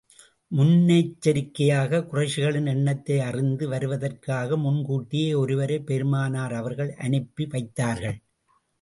முன்னெச்சரிக்கையாக, குறைஷிகளின் எண்ணத்தை அறிந்து வருவதற்காக, முன்கூட்டியே ஒருவரைப் பெருமானார் அவர்கள் அனுப்பி வைத்தார்கள்.